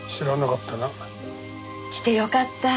来てよかった。